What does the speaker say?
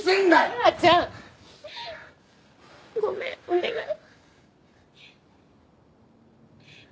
トラちゃん！ごめんお願い。